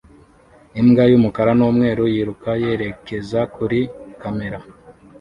Imbwa y'umukara n'umweru yiruka yerekeza kuri kamera